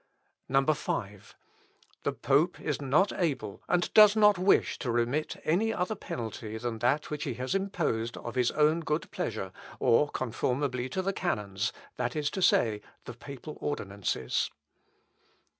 5. "The pope is not able, and does not wish to remit any other penalty than that which he has imposed of his own good pleasure, or conformably to the canons, that is to say, the papal ordinances.